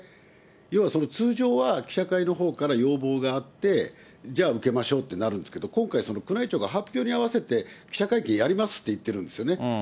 要は通常は、記者会のほうから要望があって、じゃあ、受けましょうってなるんですけど、今回、宮内庁が発表に合わせて記者会見やりますって言ってるんですよね。